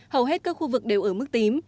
hầu hết các khu vực đều ở mức tím